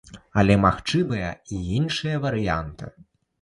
Але магчымыя і іншыя варыянты.